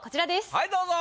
はいどうぞ。